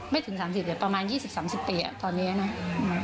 ไม่ถึงสามสิบปีประมาณยี่สิบสามสิบปีอ่ะตอนเนี้ยน่ะอืม